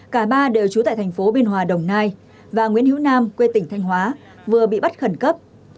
cả ba đều trú tại thành phố biên hòa đồng nai và nguyễn hữu nam quê tỉnh thanh hóa vừa bị bắt khẩn cấp